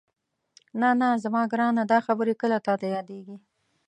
نه نه زما ګرانه دا خبرې کله تاته یادېږي؟